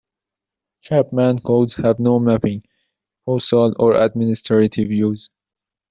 Chapman codes have no mapping, postal or administrative use.